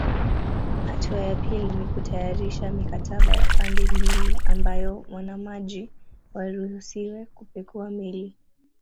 Hatua ya pili ni kutayarisha mikataba ya pande mbili ambayo wanamaji waruhusiwe kupekua meli